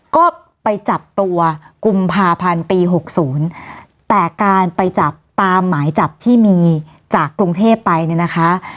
ก็ไปจับตัวกุมภาพันธ์ปีหกศูนย์แต่การไปจับตามหมายจับที่มีจากกรุงเทพไปเนี่ยนะคะ